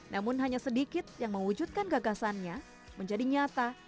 namun hanya sedikit yang mewujudkan gagasannya menjadi nyata